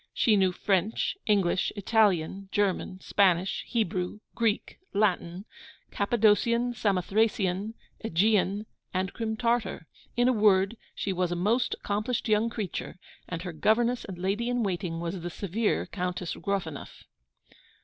She knew French, English, Italian, German, Spanish, Hebrew, Greek, Latin, Cappadocian, Samothracian, Aegean, and Crim Tartar. In a word, she was a most accomplished young creature; and her governess and lady in waiting was the severe Countess Gruffanuff.